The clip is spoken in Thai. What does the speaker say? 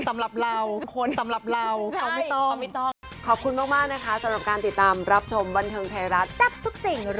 สำหรับเราเขาไม่ต้อง